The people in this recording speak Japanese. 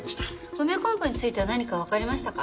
梅昆布については何かわかりましたか？